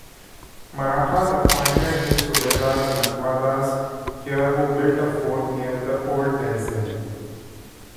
Marathas appointed his subadar Lakwadads here who built a fort near the old tehsil.